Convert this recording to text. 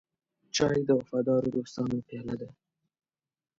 چای د وفادارو دوستانو پیاله ده.